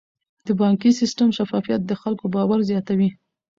د بانکي سیستم شفافیت د خلکو باور زیاتوي.